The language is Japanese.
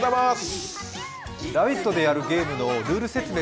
「ラヴィット！」でやるゲームのルール説明、